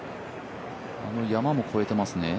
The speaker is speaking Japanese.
あの山も越えてますね。